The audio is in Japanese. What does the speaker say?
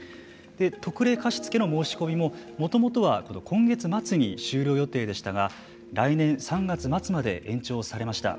特例貸付の申し込みももともとは今月末に終了予定でしたが来年３月末まで延長されました。